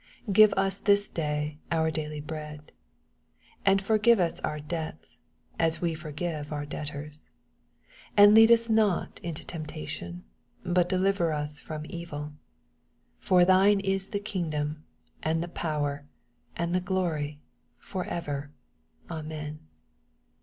11 Give US this day our daily bread. 12 And for^ve ns onr debts, as we forgive onr debtors. IS And load us not into temptation, but deliver ns from evil : For thine is the kingdom, and the power, and the glory, for ever. Amen.